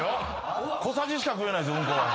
小さじしか食えないです